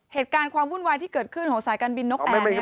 เหตุการณ์ความวุ่นวายที่เกิดขึ้นของสายการบินนกแอร์